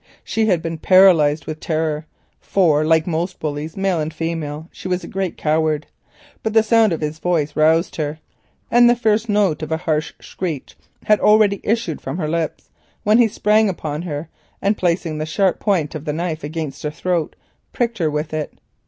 She had been paralysed with terror, for like most bullies, male and female, she was a great coward, but the sound of his voice roused her. The first note of a harsh screech had already issued from her lips, when he sprang upon her, and placing the sharp point of the knife against her throat, pricked her with it.